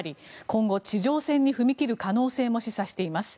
今後、地上戦に踏み切る可能性も示唆しています。